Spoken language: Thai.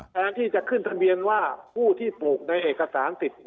แทนที่จะขึ้นทะเบียนว่าผู้ที่ปลูกในเอกสารสิทธิ์